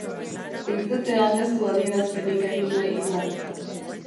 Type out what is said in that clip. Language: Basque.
Irtetean ez du adierazpenik egin nahi izan.